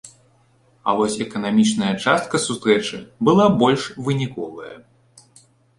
А вось эканамічная частка сустрэчы была больш выніковая.